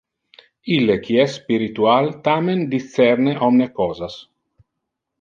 Ille qui es spiritual, tamen, discerne omne cosas.